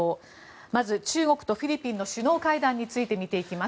まず中国とフィリピンの首脳会談について見ていきます。